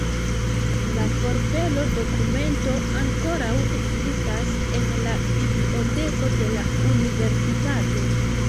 La forpelo-dokumento ankoraŭ ekzistas en la biblioteko de la universitato.